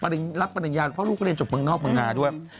รับปริญญาเพราะลูกเรียนจบเมืองนอกเมืองนาด้วย